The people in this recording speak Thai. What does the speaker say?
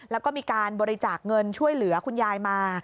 แล้วก็มีการบริจาคเงินช่วยเหลือคุณยายมา